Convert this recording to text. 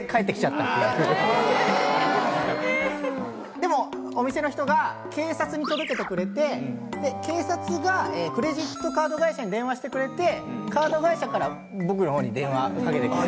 でもお店の人が警察に届けてくれて警察がクレジットカード会社に電話してくれてカード会社から僕のほうに電話かけてくれて。